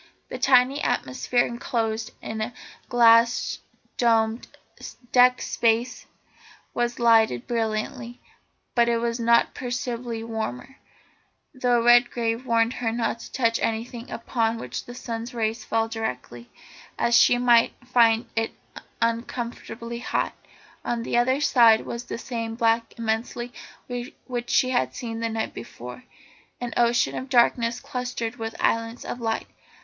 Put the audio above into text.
The tiny atmosphere enclosed in the glass domed deck space was lighted brilliantly, but it was not perceptibly warmer, though Redgrave warned her not to touch anything upon which the sun's rays fell directly, as she might find it uncomfortably hot. On the other side was the same black immensity which she had seen the night before, an ocean of darkness clustered with islands of light.